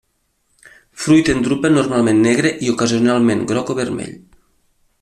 Fruit en drupa normalment negre i ocasionalment groc o vermell.